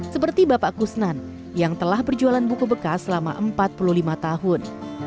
seperti bapak kusnan yang telah berjualan buku bekas selama empat puluh lima tahun